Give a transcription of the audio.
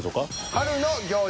「春の行事」。